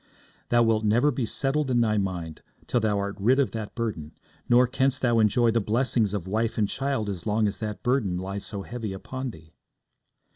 'Thou wilt never be settled in thy mind till thou art rid of that burden, nor canst thou enjoy the blessings of wife and child as long as that burden lies so heavy upon thee.'